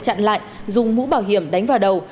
chặn lại dùng mũ bảo hiểm đánh vào đầu